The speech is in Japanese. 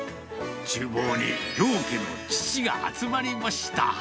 ちゅう房に両家の父が集まりました。